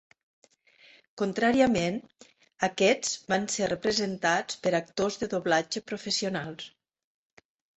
Contràriament, aquests van ser representats per actors de doblatge professionals.